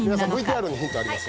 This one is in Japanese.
ＶＴＲにヒントあります。